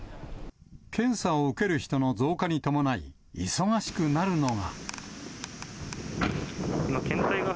検査を受ける人の増加に伴い、忙しくなるのが。